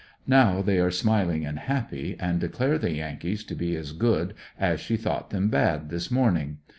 Now they are smiling and happy and declare the Yankees to be as good as she thought them bad this morning.